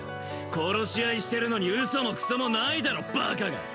殺し合いしてるのにウソもクソもないだろバカが！